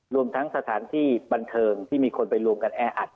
รวมทั้งสถานที่บันเทิงที่มีคนไปรวมกันแออัด